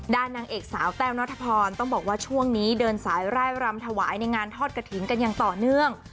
นางเอกสาวแต้วนัทพรต้องบอกว่าช่วงนี้เดินสายไล่รำถวายในงานทอดกระถิ่นกันอย่างต่อเนื่อง